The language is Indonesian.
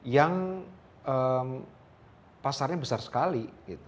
yang pasarnya besar sekali